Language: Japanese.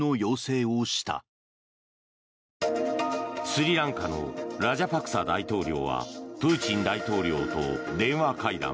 スリランカのラジャパクサ大統領はプーチン大統領と電話会談。